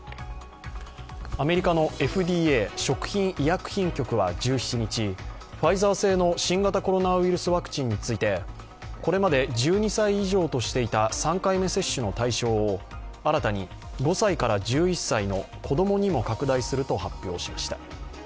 アメリカのＦＤＡ＝食品医薬品局は１７日、ファイザー製の新型コロナウイルスワクチンについてこれまで１２歳以上としていた３回目接種の対象を新たに５歳から１１歳の子供にも拡大すると発表しました。